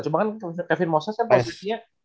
cuma kan kevin moses kan posisinya